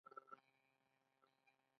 آیا فروردین د کال لومړۍ میاشت نه ده؟